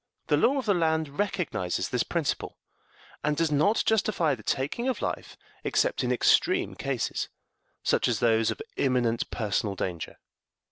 The law of the land recognizes this principle, and does not justify the taking of life except in extreme cases, such as those of imminent personal danger.